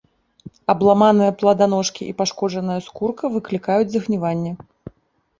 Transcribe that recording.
Абламаныя пладаножкі і пашкоджаная скурка выклікаюць загніванне.